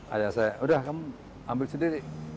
ayah saya udah kamu ambil sendiri